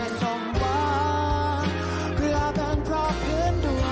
ไม่เชื่อไปฟังกันหน่อยค่ะ